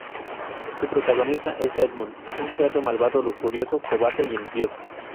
Su protagonista es Edmond, un cerdo malvado, lujurioso, cobarde y envidioso.